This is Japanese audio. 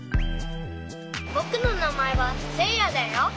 ぼくのなまえはせいやだよ。